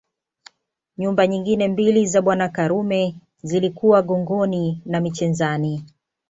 Nyumba nyingine mbili za Bwana Karume zilikuwa Gongoni na Michenzani